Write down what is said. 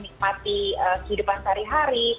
menikmati kehidupan sehari hari